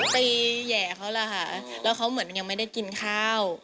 แหย่เขาล่ะค่ะแล้วเขาเหมือนมันยังไม่ได้กินข้าว